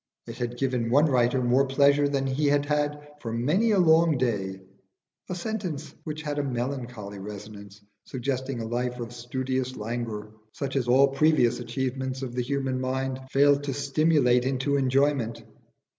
It had given one writer more pleasure than he had had for many a long day a sentence which had a melancholy resonance, suggesting a life of studious languor such as all previous achievements of the human mind failed to stimulate into enjoyment.